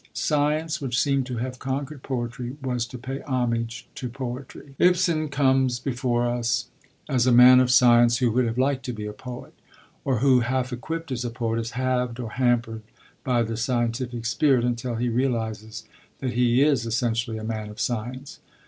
Science, which seemed to have conquered poetry, was to pay homage to poetry. Ibsen comes before us as a man of science who would have liked to be a poet; or who, half equipped as a poet, is halved or hampered by the scientific spirit until he realises that he is essentially a man of science.